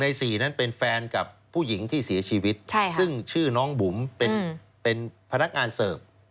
ใน๔นั้นเป็นแฟนกับผู้หญิงที่เสียชีวิตซึ่งชื่อน้องบุ๋มเป็นพนักงานเสิร์ฟ